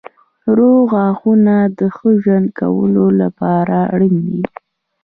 روغ غاښونه د ښه ژوند کولو لپاره اړین دي.